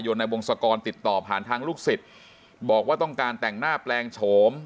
ในวงศกรติดต่อผ่านทางลูกศิษย์บอกว่าต้องการแต่งหน้าแปลงโฉม